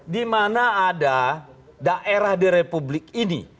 di mana ada daerah di republik ini